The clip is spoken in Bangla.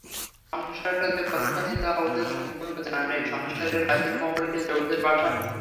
সংসারটা যে কতখানি তা ওদের সম্পূর্ণ জানা নেই, সংসারের বাহির-মহলে যে ওদের বাসা।